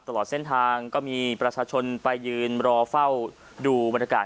ตลอดเส้นทางก็มีประชาชนไปยืนรอเฝ้าดูบรรยากาศ